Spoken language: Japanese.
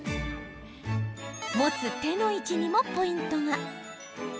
持つ手の位置にもポイントが。